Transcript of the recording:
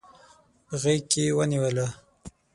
په غیږ کې ونیوله